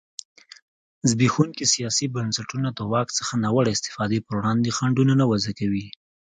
زبېښونکي سیاسي بنسټونه د واک څخه ناوړه استفادې پر وړاندې خنډونه نه وضعه کوي.